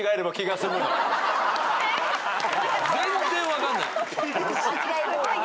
全然分かんない。